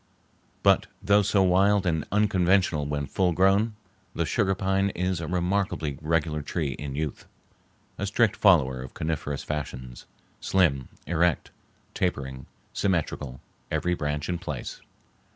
But though so wild and unconventional when full grown, the sugar pine is a remarkably regular tree in youth, a strict follower of coniferous fashions, slim, erect, tapering, symmetrical, every branch in place.